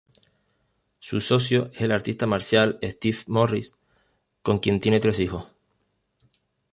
Su socio es el artista marcial Steve Morris, con quien tiene tres hijos.